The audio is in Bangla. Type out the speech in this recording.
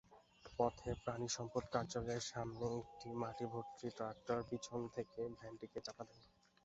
পথে প্রাণিসম্পদ কার্যালয়ের সামনে একটি মাটিভর্তি ট্রাক্টর পেছন থেকে ভ্যানটিকে চাপা দেয়।